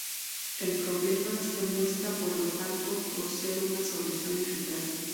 El problema se muestra por lo tanto, por ser una solución eficaz.